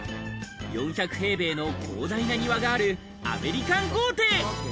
４００平米の広大な庭があるアメリカン豪邸。